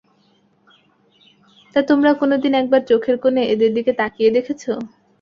তা, তোমরা কোনোদিন একবার চোখের কোণে এদের দিকে তাকিয়ে দেখেছ?